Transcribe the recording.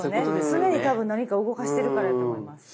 常に多分何か動かしてるからやと思います。